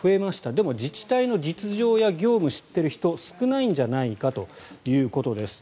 でも自治体の実情や業務を知っている人は少ないんじゃないのかということです。